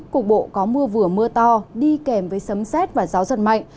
cục bộ có mưa vừa mưa to đi kèm với sấm xét và gió giật mạnh